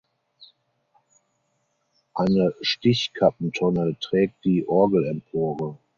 Eine Stichkappentonne trägt die Orgelempore.